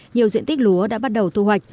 nhiều diện tích lúa đã bắt đầu thu hoạch